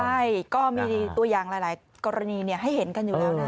ใช่ก็มีตัวอย่างหลายกรณีให้เห็นกันอยู่แล้วนะ